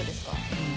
うん。